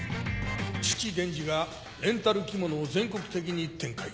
父伝二がレンタル着物を全国的に展開。